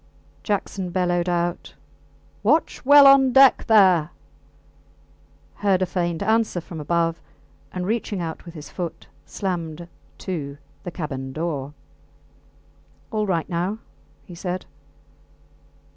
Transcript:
Jackson bellowed out, Watch well on deck there! heard a faint answer from above, and reaching out with his foot slammed to the cabin door. All right now, he said.